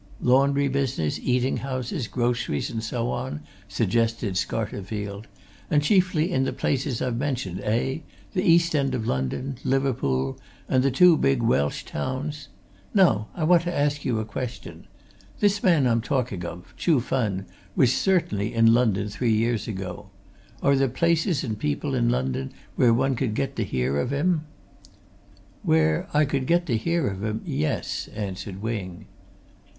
"Laundry business, eating houses, groceries, and so on?" suggested Scarterfield. "And chiefly in the places I've mentioned, eh? the East End of London, Liverpool, and the two big Welsh towns? Now, I want to ask you a question. This man I'm talking of, Chuh Fen, was certainly in London three years ago. Are there places and people in London where one could get to hear of him?" "Where I could get to hear of him yes," answered Wing.